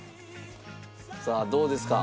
さあどうですか？